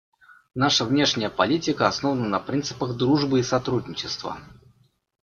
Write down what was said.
Наша внешняя политика основана на принципах дружбы и сотрудничества.